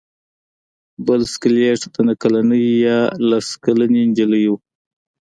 بل سکلیټ د نهه کلنې یا لس کلنې نجلۍ و.